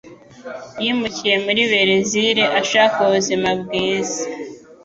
Yimukiye muri Berezile ashaka ubuzima bwiza.